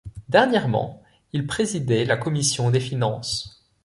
Dernièrement, il présidait la Commission des finances.